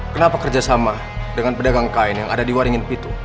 kenapa kerjasama dengan pedagang kain yang ada di waringin pintu